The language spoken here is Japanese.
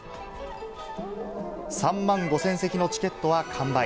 ３万５０００席のチケットは完売。